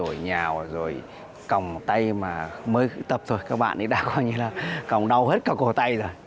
ở nhào rồi còng tay mà mới tập rồi các bạn ấy đạp coi như là còng đau hết cả cổ tay rồi